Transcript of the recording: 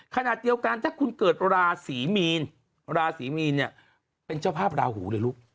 ขณะเดียวกันถ้าคุณเกิดราศีมีนราศรีมีนเนี่ยเป็นเจ้าภาพราหูเลยลูก